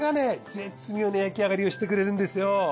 絶妙な焼き上がりをしてくれるんですよ。